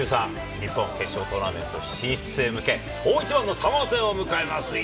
日本、決勝トーナメント進出へ向け、大一番のサモア戦を迎えます。